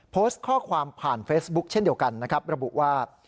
โพสต์ข้อความผ่านเฟซบุ๊คเช่นเดียวกันนะครับระบุว่า